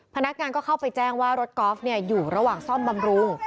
พนักงานก็เข้าไปแจ้งว่ารถกอล์ฟอยู่ระหว่างซ่อมบำรุง